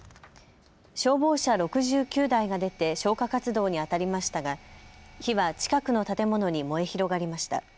消防車６９台が出て消火活動にあたりましたが火は近くの建物に燃え広がりました。